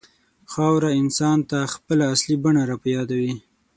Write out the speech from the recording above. خاوره انسان ته خپله اصلي بڼه راپه یادوي.